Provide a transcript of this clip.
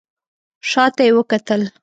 شا ته یې وکتل.